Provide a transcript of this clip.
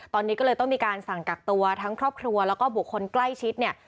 ตอนนี้ก็เลยต้องมีการสั่งกักตัวทั้งครอบครัวแล้วก็บุคคลใกล้ชิดเนี่ย